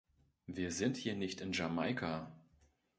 Wir sind hier nicht in Jamaika.